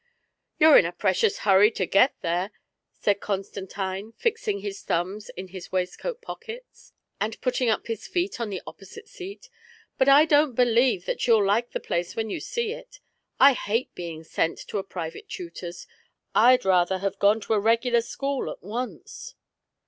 "You're in a precious hurry to get there," said Con stantine, fixing his thumbs in his waistcoat pockets, and putting up his feet on the opposite seat; " but I don't believe that you'll like the place when you see it. I hate being sent to a private tutor's; I'd rather have gone to a regular school at once."